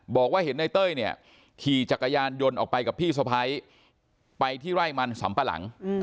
บอกว่าเห็นในเต้ยเนี่ยขี่จักรยานยนต์ออกไปกับพี่สะพ้ายไปที่ไร่มันสำปะหลัง